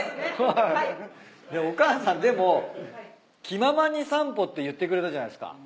お母さんでも『気ままにさんぽ』って言ってくれたじゃないですか。